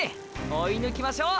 追いぬきましょう！！